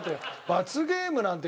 罰ゲームなんて。